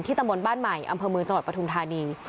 ตำบลบ้านใหม่อำเภอเมืองจังหวัดปทุมธานี